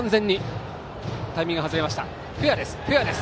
フェアです。